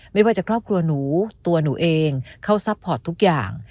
ไม่ว่าจะครอบครัวหนูตัวหนูเองเขาซัพพอร์ตทุกอย่าง